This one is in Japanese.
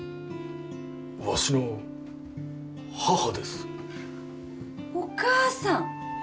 わしの母ですお母さん！